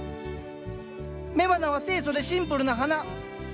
雌花は清楚でシンプルな花。